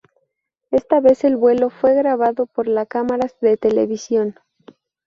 Esta vez el vuelo fue grabado por la cámaras de televisión.